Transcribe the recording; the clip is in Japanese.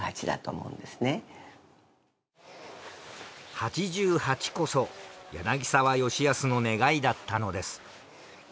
八十八こそ柳澤吉保の願いだったのです。